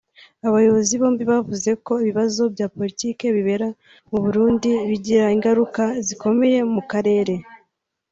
Aba bayobozi bombi bavuze ko ibibazo bya Politike bibera mu Burundi bigira ingaruka zikomeye mu karere